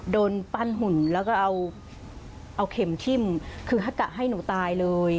โดนปั้นหุ่นแล้วก็เอาเข็มทิ้มคือกะให้หนูตายเลย